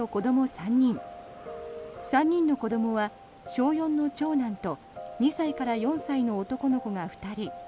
３人の子どもは小４の長男と２歳から４歳の男の子が２人。